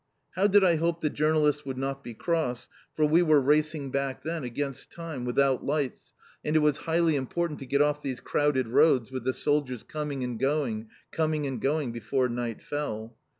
How did I hope the journalist would not be cross, for we were racing back then against time, without lights, and it was highly important to get off these crowded roads with the soldiers coming and going, coming and going, before night fell.